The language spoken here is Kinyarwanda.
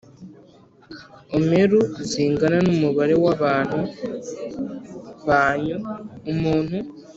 Omeru zingana n umubare w abantu banyu umuntu